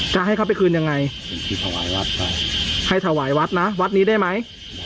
จะให้เขาไปคืนยังไงถวายวัดไปให้ถวายวัดนะวัดนี้ได้ไหม